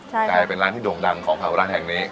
ก๋วยเตี๋ยวพม่าซึ่งเป็นร้านที่โด่งดังของเผาร้านแห่งนี้